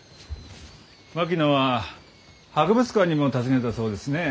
槙野は博物館にも訪ねたそうですね。